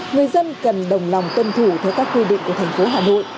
người dân cần đồng lòng tuân thủ theo các quy định của thành phố hà nội